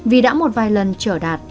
vì đã một vài lần trở đạt